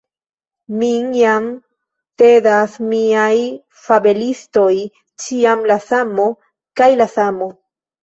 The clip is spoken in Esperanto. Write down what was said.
Min jam tedas miaj fabelistoj, ĉiam la samo kaj la samo.